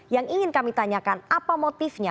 yang ingin kami tanyakan apa motifnya